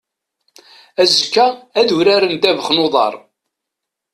Azekka ad uraren ddabax n uḍar.